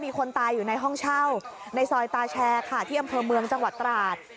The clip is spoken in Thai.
มีคนตายอยู่ในห้องเช่าในซอยตาแชร์ค่ะที่อำเภอเมืองจังหวัดตราด